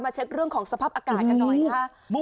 เช็คเรื่องของสภาพอากาศกันหน่อยนะคะ